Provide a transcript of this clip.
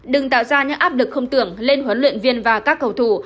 đừng tạo ra những áp lực không tưởng lên huấn luyện viên và các cầu thủ